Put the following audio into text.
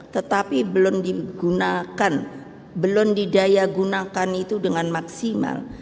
tetapi belum digunakan belum didaya gunakan itu dengan maksimal